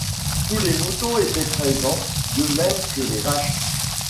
Tous les moutons étaient présents de même que les vaches